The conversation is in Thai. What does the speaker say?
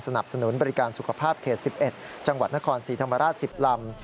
สนุนบริการสุขภาพเขต๑๑จังหวัดนครศรีธรรมราช๑๐ลำ